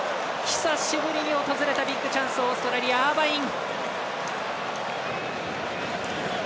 久しぶりに訪れたビッグチャンスオーストラリアアーバイン。